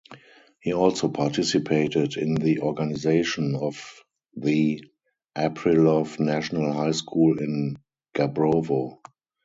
He also participated in the organization of the Aprilov National High School in Gabrovo.